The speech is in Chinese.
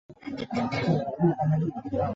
阿讷西站位于阿讷西市区内。